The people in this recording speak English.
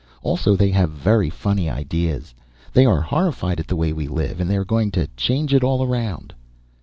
Also they have very funny ideas. They are horrified at the way we live, and they are going to change it all around."